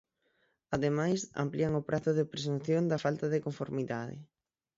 Ademais, amplían o prazo de presunción da falta de conformidade.